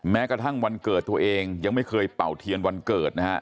แม้กระทั่งวันเกิดตัวเองยังไม่เคยเป่าเทียนวันเกิดนะฮะ